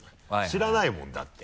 知らないもんだって。